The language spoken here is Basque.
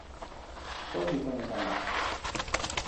Gol bikaina izan da.